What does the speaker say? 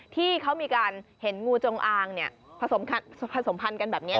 ที่เขามีการเห็นงูจงอางผสมผสมพันธ์กันแบบนี้